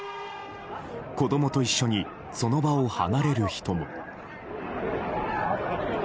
子供と一緒にその場を離れる人も。